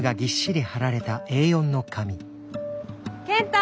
健太！